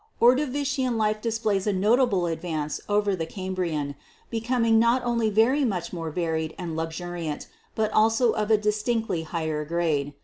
"Ordovician life displays a notable advance over that of the Cambrian, becoming not only very much more varied and luxuriant, but also of a distinctly higher grade.